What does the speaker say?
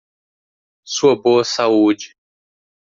Sua boa saúde.